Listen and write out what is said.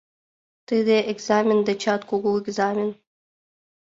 Тиде — экзамен дечат кугу экзамен.